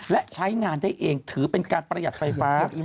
และใช้งานได้เองถือเป็นการประหยัดไฟฟ้า